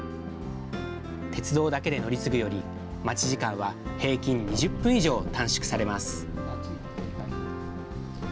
鉄道だけで乗り継ぐより、待ち時間は平均２０分以上、短縮されます。